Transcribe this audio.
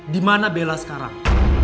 dimana bella sekarang